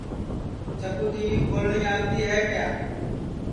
چکُو ٹی وی کھولٹؔی آوتی ہے کیا